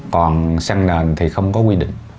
còn xăng nền thì không có quy định